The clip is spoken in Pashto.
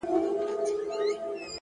وخت د ژوند د پانګې نوم دی؛